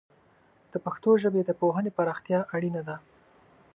د پښتو ژبې د پوهنې پراختیا اړینه ده.